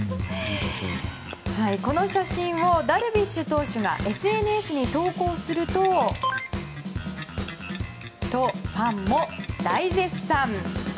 この写真をダルビッシュ投手がＳＮＳに投稿すると。とファンも大絶賛。